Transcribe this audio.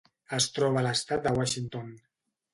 Es troba a l'estat de Washington.